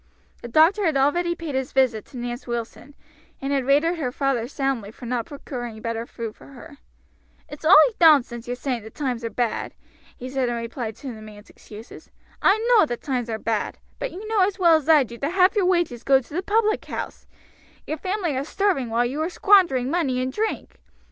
The doctor had already paid his visit to Nance Wilson, and had rated her father soundly for not procuring better food for her. "It's all nonsense your saying the times are bad," he said in reply to the man's excuses. "I know the times are bad; but you know as well as I do that half your wages go to the public house; your family are starving while you are squandering money in drink.